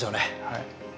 はい。